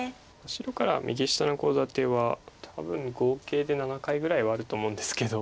白から右下のコウ立ては多分合計で７回ぐらいはあると思うんですけど。